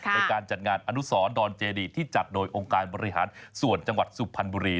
ในการจัดงานอนุสรดอนเจดีที่จัดโดยองค์การบริหารส่วนจังหวัดสุพรรณบุรี